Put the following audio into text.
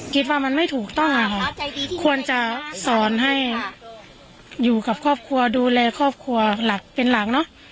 คิดว่ามันไม่ถูกต้องค่ะควรจะสอนให้อยู่กับครอบครัวดูแลครอบครัวหลักเป็นหลังเนอะ